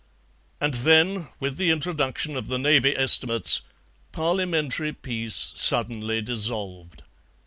And then, with the introduction of the Navy Estimates, Parliamentary peace suddenly dissolved.